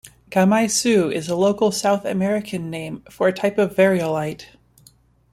"Gamaicu" is a local South American name for a type of variolite.